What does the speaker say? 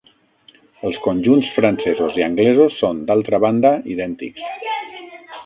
Els conjunts francesos i anglesos són d'altra banda idèntics.